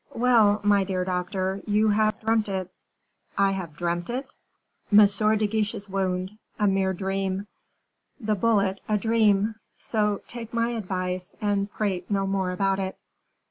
"Well, my dear doctor, you have dreamt it." "I have dreamt it!" "M. de Guiche's wound a mere dream; the bullet, a dream. So, take my advice, and prate no more about it."